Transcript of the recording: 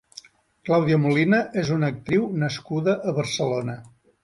Claudia Molina és una actriu nascuda a Barcelona.